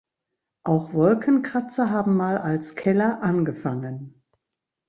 Auch Wolkenkratzer haben mal als Keller angefangen.